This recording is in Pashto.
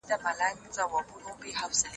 که انلاین مرسته موجوده وي، ستونزي نه اوږدېږي.